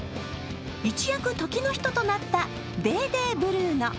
一躍、時の人となったデーデー・ブルーノ。